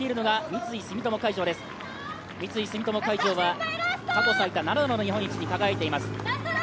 三井住友海上は過去最多、７度の日本一に輝いています。